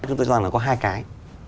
chúng tôi cho rằng là có hai cái